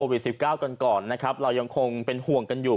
สิบเก้ากันก่อนนะครับเรายังคงเป็นห่วงกันอยู่